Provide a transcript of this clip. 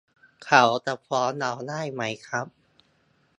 เขาจะฟ้องเราได้ไหมครับ